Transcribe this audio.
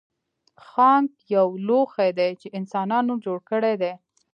ښانک یو لوښی دی چې انسانانو جوړ کړی دی